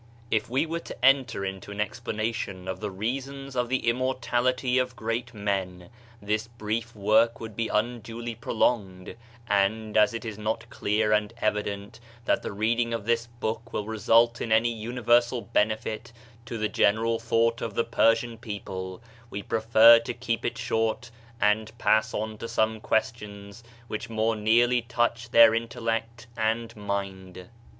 If we were to enter into an explanation of the reasons of the immortality of great men, this brief work would be unduly prolonged; and as it is not clear and evident that the reading of this book will result in any universal benefit to the general thought of the Persian people, we prefer to keep it short, and pass on to some questions which more nearly touch their intellect and mind.